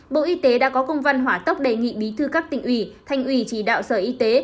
bộ y tế đã có công văn hỏa tốc đề nghị bí thư các tỉnh ủy thành ủy chỉ đạo sở y tế